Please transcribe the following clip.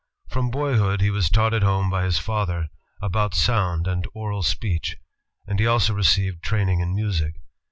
From boyhood, he was taught at home by his father, about soimd and oral speech, and he also received training in music.